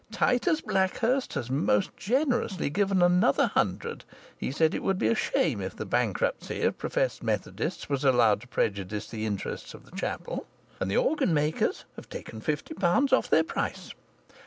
Titus Blackhurst has most generously given another hundred; he said it would be a shame if the bankruptcy of professed Methodists was allowed to prejudice the interests of the chapel. And the organ makers have taken fifty pounds off their price.